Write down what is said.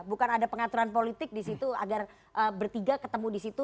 bukan ada pengaturan politik di situ agar bertiga ketemu di situ